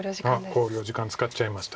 あっ考慮時間使っちゃいました。